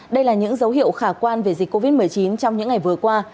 đây là những dấu hiệu khả quan về dịch covid một mươi chín trong những ngày vừa qua